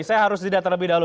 saya harus didata lebih dahulu